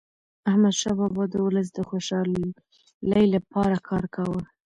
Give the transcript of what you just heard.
احمدشاه بابا د ولس د خوشحالیلپاره کار کاوه.